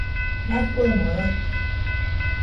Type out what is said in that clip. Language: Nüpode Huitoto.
Rafuemo rote.